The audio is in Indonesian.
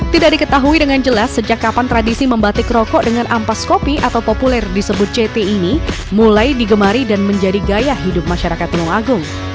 tidak diketahui dengan jelas sejak kapan tradisi membatik rokok dengan ampas kopi atau populer disebut ceti ini mulai digemari dan menjadi gaya hidup masyarakat tulung agung